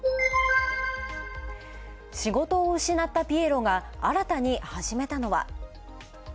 仕事を失ったピエロが新たに始めたのは。